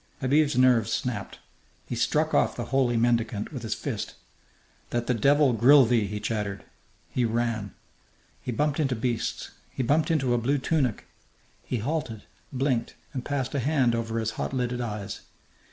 Habib's nerves snapped. He struck off the holy mendicant with his fist. "That the devil grill thee!" he chattered. He ran. He bumped into beasts. He bumped into a blue tunic. He halted, blinked, and passed a hand over his hot lidded eyes.